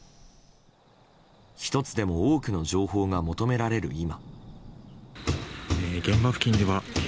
１つでも多くの情報が求められる今。